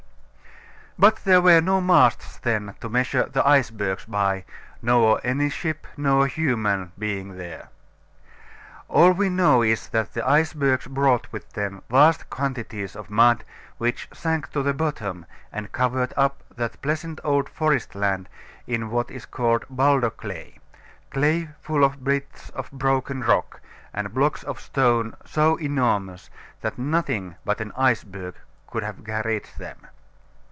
But there were no masts then to measure the icebergs by, nor any ship nor human being there. All we know is that the icebergs brought with them vast quantities of mud, which sank to the bottom, and covered up that pleasant old forest land in what is called boulder clay; clay full of bits of broken rock, and of blocks of stone so enormous, that nothing but an iceberg could have carried them.